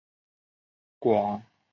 广大院。